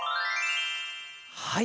はい。